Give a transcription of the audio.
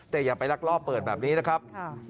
แต่อย่าไปลักลอบเปิดแบบนี้นะครับ